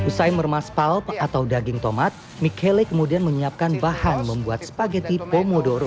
usai meremas palt atau daging tomat michele kemudian menyiapkan bahan membuat spaghetti pomodoro